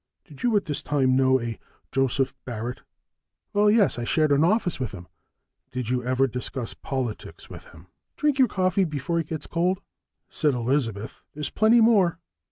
Did you at this time know a Joseph Barrett?" "Well, yes, I shared an office with him." "Did you ever discuss politics with him?" "Drink your coffee before it gets cold," said Elizabeth. "There's plenty more."